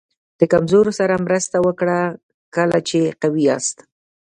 د کمزورو سره مرسته وکړه کله چې قوي یاست.